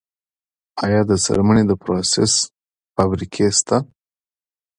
آیا د څرمنې د پروسس فابریکې شته؟